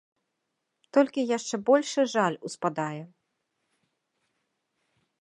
Толькі яшчэ большы жаль успадае.